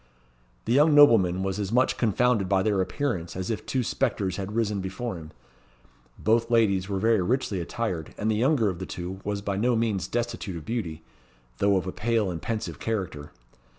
The young nobleman was as much confounded by their appearance as if two spectres had risen before him. Both ladies were very richly attired, and the younger of the two was by no means destitute of beauty, though of a pale and pensive character.